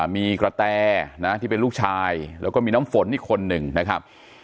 มีกระแตที่เป็นลูกชายแล้วก็มีน้ำฝนอีกคนหนึ่งนะครับ